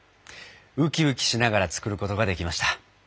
ウキウキしながら作ることができました。